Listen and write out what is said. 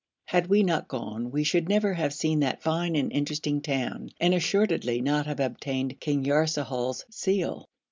Had we not gone we should never have seen that fine and interesting town, and assuredly not have obtained King Yarsahal's seal.